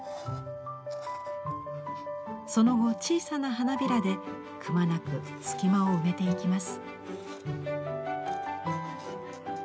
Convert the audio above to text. その後小さな花びらでくまなく隙間を埋めていきます。